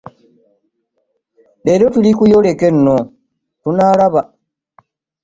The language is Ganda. Leero tuli ku yorerkeluno tunalaba .